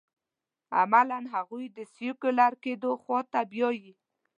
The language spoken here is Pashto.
عملاً هغوی د سیکولر کېدو خوا ته بیايي.